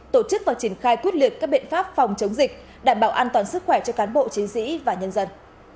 tổ chức và triển khai quyết liệt các biện pháp phòng chống dịch đảm bảo an toàn sức khỏe cho cán bộ chiến sĩ và nhân dân